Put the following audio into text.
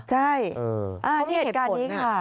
ใช่นี่เหตุการณ์นี้ค่ะ